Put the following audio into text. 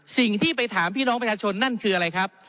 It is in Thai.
สิ่งที่ไปถามพี่น้องประชาชนนั่นคืออะไรครับ